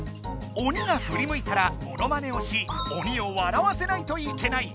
鬼がふりむいたらモノマネをし鬼を笑わせないといけない。